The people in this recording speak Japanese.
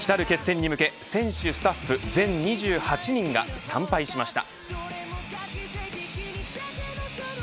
来る決戦に向け選手、スタッフ全２８人が参拝しました。